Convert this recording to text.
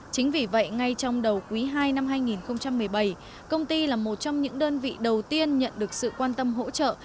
chính vì vậy ngay trong đầu quý ii năm hai nghìn một mươi bảy công ty là một trong những đơn vị đầu tiên nhận được sự quan tâm hỗ trợ